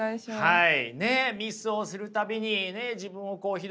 はい。